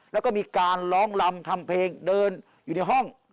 แล้วก็มีการร้องลำทำเพลงเดินอยู่ในห้อง